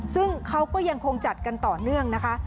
ซึ่งเขาก็ยังคงจัดกันต่อเนื่องนะคะ